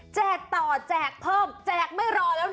ต่อแจกเพิ่มแจกไม่รอแล้วนะ